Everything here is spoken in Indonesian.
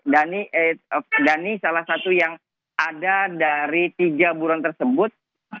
dhani dhani salah satu yang ada dari tiga buron tersebut